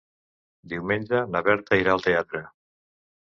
Diumenge na Berta irà al teatre.